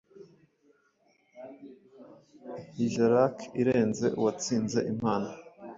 Higelac irenze uwatsinze impano